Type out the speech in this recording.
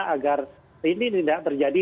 agar ini tidak terjadi